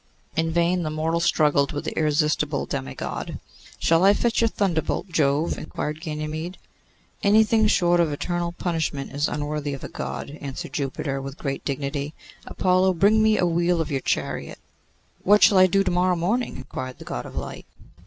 In vain the mortal struggled with the irresistible demigod. 'Shall I fetch your thunderbolt, Jove?' inquired Ganymede. 'Anything short of eternal punishment is unworthy of a God,' answered Jupiter, with great dignity. 'Apollo, bring me a wheel of your chariot.' 'What shall I do to morrow morning?' inquired the God of Light.